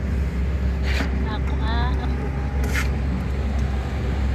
A kɔʼɔ aa a mbùʼû àtû.